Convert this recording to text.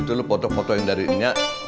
itu lo foto foto yang dari ini ya